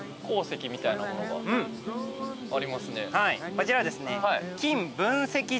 こちらはですね。